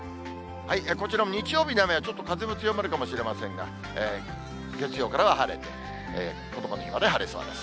こちらも日曜日の雨はちょっと風も強まるかもしれませんが、月曜からは晴れて、こどもの日まで晴れそうです。